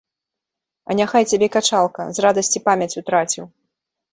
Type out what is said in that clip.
А няхай цябе качалка, з радасці памяць утраціў.